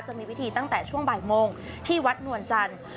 จะมีพิธีตั้งแต่ช่วงบ่ายโมงที่วัดนวลจันทร์